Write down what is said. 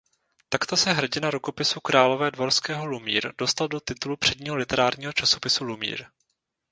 Takto se hrdina Rukopisu královédvorského "Lumír" dostal do titulu předního literárního časopisu Lumír.